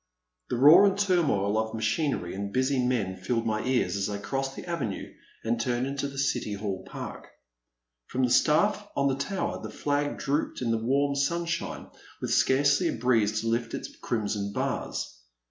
*' The roar and turmoil of machinery and busy men filled my ears as I crossed the avenue and turned into the City Hall Park. From the staflF on the tower the flag drooped in the warm sunshine with scarcely a breeze to lift its crimson bars.